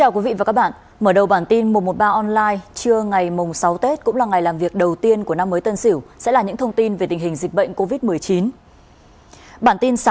cảm ơn các bạn đã theo dõi